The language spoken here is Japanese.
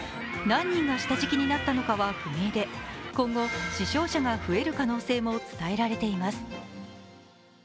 何人が下敷きになったのかは不明で今後、死傷者が増える可能性も伝えられています。